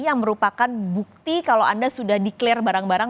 yang merupakan bukti kalau anda sudah declare barang barang